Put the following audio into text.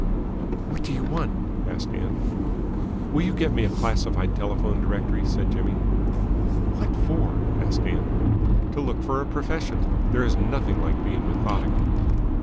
"What do you want?" asked Ann. "Will you get me a Classified Telephone Directory," said Jimmy. "What for?" asked Ann. "To look for a profession. There is nothing like being methodical."